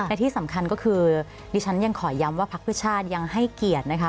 และที่สำคัญก็คือดิฉันยังขอย้ำว่าพักเพื่อชาติยังให้เกียรตินะคะ